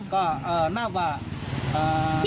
ก็น่าว่าเอ่อ